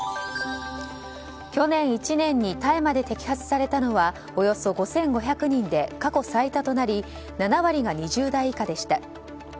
去年１年に大麻で摘発されたのはおよそ５５００人で過去最多となり７割が２０代以下でした。